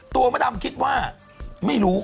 มดำคิดว่าไม่รู้